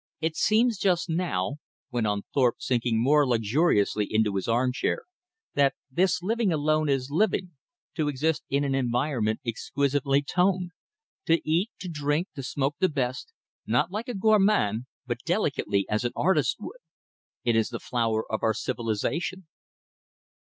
"It seems just now," went on Thorpe, sinking more luxuriously into his armchair, "that this alone is living to exist in an environment exquisitely toned; to eat, to drink, to smoke the best, not like a gormand, but delicately as an artist would. It is the flower of our civilization."